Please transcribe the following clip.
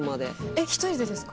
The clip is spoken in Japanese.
えっ１人でですか？